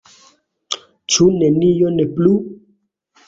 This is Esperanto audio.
Ĉu nenion plu?